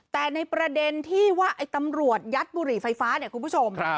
แต่ในประเด็นที่ว่าไอ้ตำรวจยัดบุหรี่ไฟฟ้าเนี่ยคุณผู้ชม